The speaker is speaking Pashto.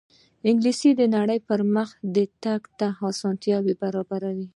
انګلیسي د نړۍ پرمخ تګ ته اسانتیا برابروي